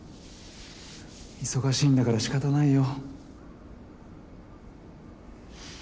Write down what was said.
忙しいんだから仕方ないよ。